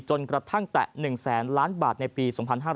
จนกระทั่งแตะ๑แสนล้านบาทในปี๒๕๕๙